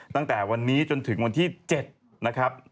ตั้งแต่วันนี้จนถึงวันที่๗นะครับ